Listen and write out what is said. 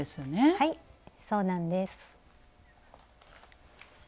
はいそうなんです。